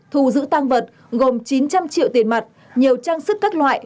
thu giữ tăng vật gồm chín trăm linh triệu tiền mặt nhiều trang sức các loại